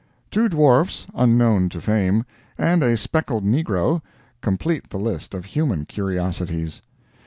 Two dwarfs, unknown to fame, and a speckled negro, complete the list of human curiosities.